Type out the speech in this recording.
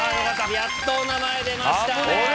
やっとお名前出ました。